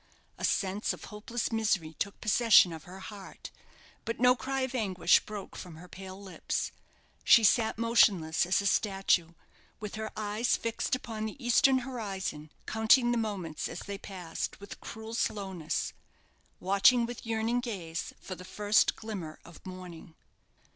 A sense of hopeless misery took possession of her heart; but no cry of anguish broke from her pale lips. She sat motionless as a statue, with her eyes fixed upon the eastern horizon, counting the moments as they passed with cruel slowness, watching with yearning gaze for the first glimmer of morning.